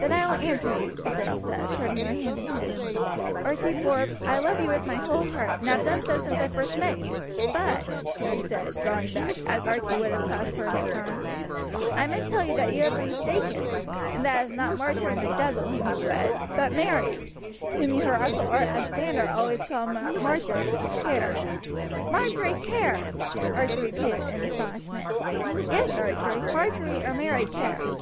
"Then I will answer you," the girl said, putting her hand in his. "Archie Forbes, I love you with my whole heart, and have done so since I first met you; but," she said, drawing back, as Archie would have clasped her in his arms, "I must tell you that you have been mistaken, and that it is not Marjory MacDougall whom you would wed, but Mary, whom her uncle Alexander always called Marjory, Kerr." "Marjory Kerr!" Archie repeated, in astonishment. "Yes, Archie, Marjory or Mary Kerr.